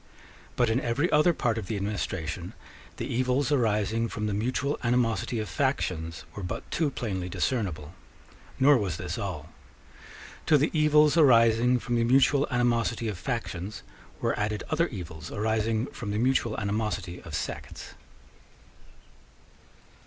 But in every other part of the administration the evils arising from the mutual animosity of factions were but too plainly discernible. Nor was this all. To the evils arising from the mutual animosity of factions were added other evils arising from the mutual animosity of sects.